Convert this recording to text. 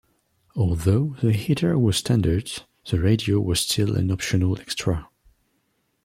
Although the heater was standard, the radio was still an optional extra.